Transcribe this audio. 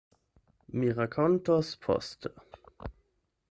Mi rakontos poste...